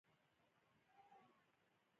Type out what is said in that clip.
آیا ایران له افغانستان سره د اوبو ستونزه نلري؟